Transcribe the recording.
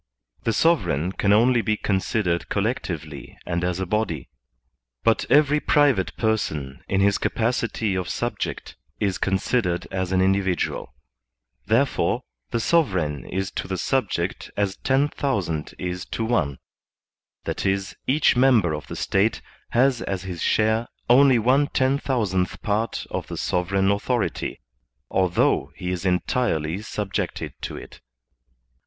The sovereign can only be considered collectively and as a body; but every private person, in his capacity of subject, is considered as an individual; there fore, the sovereign is to the subject as ten thousand is to one, that is, each member of the State has as his share only one ten thousandth part of the sovereign authority, although he is entirely subjected to it.